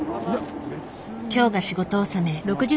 今日が仕事納め。